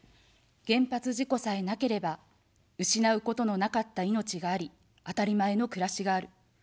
原発事故さえなければ、失うことのなかった命があり、あたりまえの暮らしがある。